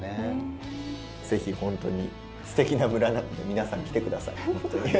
ぜひほんとにすてきな村なので皆さん来てくださいほんとに。